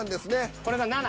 これが７。